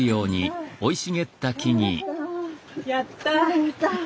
やった！